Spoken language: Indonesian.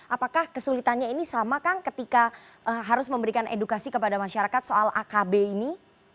apakah kesulitannya ini sama kang ketika harus memberikan edukasi kepada masyarakat soal akb ini